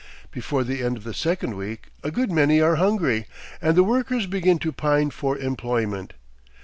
Before the end of the second week a good many are hungry, and the workers begin to pine for employment.